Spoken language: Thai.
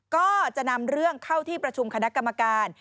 ก็จะนำเรื่องเข้าที่ประชุมคณะกรรมการ